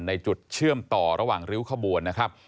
ในจุดเชื่อมต่อระหว่างริ้วขบวนนะครับ